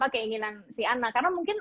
keinginan si anak karena mungkin